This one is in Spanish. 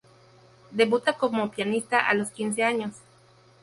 Debuta como pianista a los quince años.